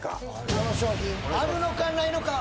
この商品あるのかないのか？